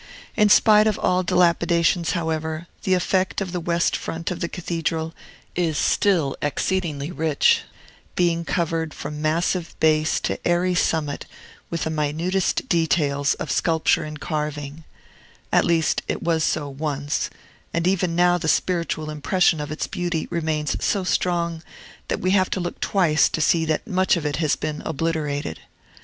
In spite of all dilapidations, however, the effect of the west front of the Cathedral is still exceedingly rich, being covered from massive base to airy summit with the minutest details of sculpture and carving: at least, it was so once; and even now the spiritual impression of its beauty remains so strong, that we have to look twice to see that much of it has been obliterated.